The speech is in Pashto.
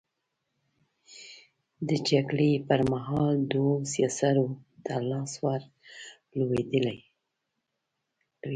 د جګړې پر مهال دوو سياسرو ته لاس ور لوېدلی.